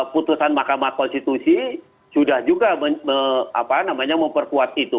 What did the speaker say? putusan mahkamah konstitusi sudah juga memperkuat itu